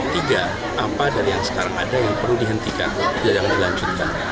tiga apa dari yang sekarang ada yang perlu dihentikan yang dilanjutkan